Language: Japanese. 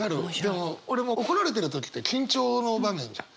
でも俺も怒られてる時って緊張の場面じゃん。